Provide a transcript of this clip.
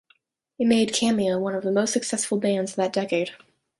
It made Cameo one of the most successful bands of that decade.